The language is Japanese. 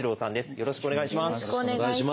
よろしくお願いします。